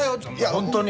本当に。